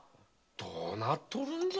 どうなっとるんじゃ？